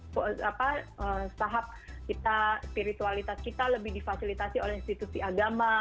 bahwa tahap spiritualitas kita lebih difasilitasi oleh institusi agama